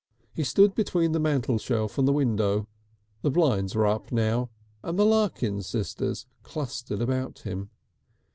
He stood between the mantel shelf and the window the blinds were up now and the Larkins sisters clustered about him.